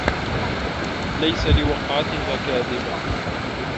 لَيسَ لِوَقعَتِها كاذِبَةٌ